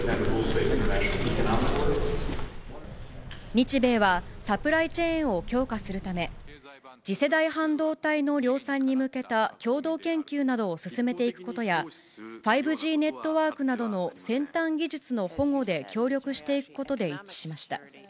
日米はサプライチェーンを強化するため、次世代半導体の量産に向けた共同研究などを進めていくことや、５Ｇネットワークなどの先端技術の保護で協力していくことで一致しました。